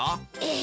え！